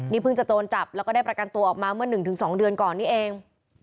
นี่เพิ่งจะโดนจับแล้วก็ได้ประกันตัวออกมาเมื่อ๑๒เดือนก่อนนี้เอง